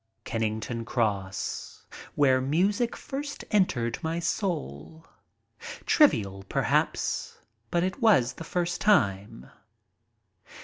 Kennington Cross, where music first entered my soul. Trivial, perhaps, but it was the first time.